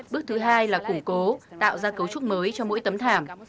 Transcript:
bước thứ hai là củng cố tạo ra cấu trúc mới cho mỗi tấm thảm